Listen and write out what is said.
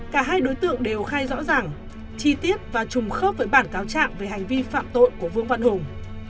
cả hai đối tượng đều khai rõ ràng chi tiết và trùng khớp với bản cáo trạng về hành vi phạm tội của vương văn hùng